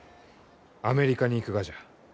アメリカに行くがじゃ。